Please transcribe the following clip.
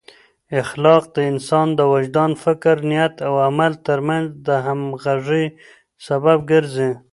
اخلاق د انسان د وجدان، فکر، نیت او عمل ترمنځ د همغږۍ سبب ګرځي.